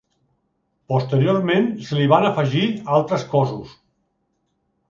Posteriorment se li van afegir altres cossos.